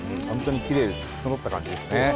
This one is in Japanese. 本当にきれいに整った感じですね。